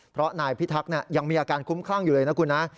เพราะนายพิทักษ์ยังมีอาการคุ้มคลั่งอยู่เลยนะคุณนะ